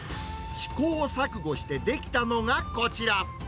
試行錯誤して出来たのがこちら。